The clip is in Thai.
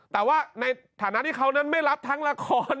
แต่ว่าในฐานะที่เขานั้นไม่รับทั้งละคร